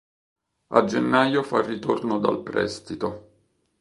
A gennaio fa ritorno dal prestito.